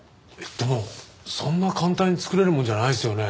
でもそんな簡単に作れるものじゃないですよね？